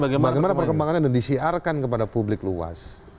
bagaimana perkembangannya dan disiarkan kepada publik luas